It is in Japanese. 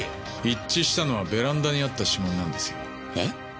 一致したのはベランダにあった指紋なんですよ。えっ？